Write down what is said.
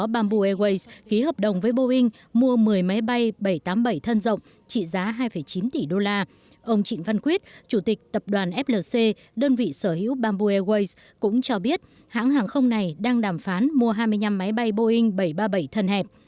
bambu airways cũng cho biết hãng hàng không này đang đàm phán mua hai mươi năm máy bay boeing bảy trăm ba mươi bảy thần hẹp